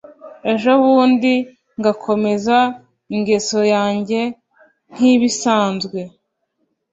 Ejobundi ngakomeza ingeso yanjye nkibisanzwe